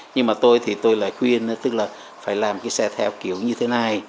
nhưng mà tôi thì tôi lại khuyên tức là phải làm cái xe theo kiểu như thế này